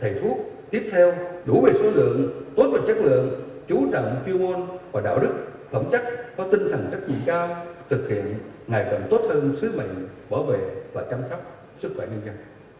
phẩm chắc có tinh thần trách nhiệm cao thực hiện ngày càng tốt hơn sứ mệnh bảo vệ và chăm sóc sức khỏe nhân dân